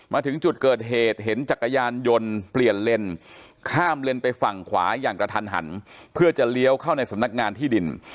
มาถึงจุดเกิดเหตุเห็นจักรยานยนต์เปลี่ยนเลนข้ามเลนไปฝั่งขวาอย่างกระทันหันเพื่อจะเลี้ยวเข้าในสำนักงานที่ดิน